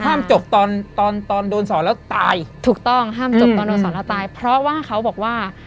จบตอนตอนตอนโดนสอนแล้วตายถูกต้องห้ามจบตอนโดนสอนแล้วตายเพราะว่าเขาบอกว่า